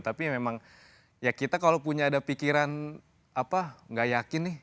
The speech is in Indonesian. tapi memang ya kita kalau punya ada pikiran apa nggak yakin nih